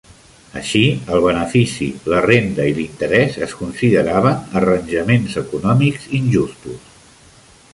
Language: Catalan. Així, el benefici, la renda i l'interès es consideraven arranjaments econòmics injustos.